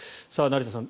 成田さん